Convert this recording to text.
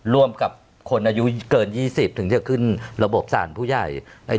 ร่วมกับคนอายุเกิน๒๐ถึงจะขึ้นระบบสารผู้ใหญ่